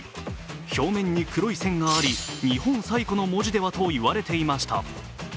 表面に黒い線があり、日本最古の文字ではといわれていました。